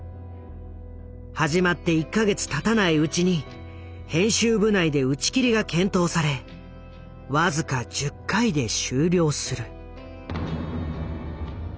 始まって１か月たたないうちに編集部内で打ち切りが検討され僅か１０回で終了する。